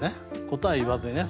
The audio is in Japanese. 答え言わずにね。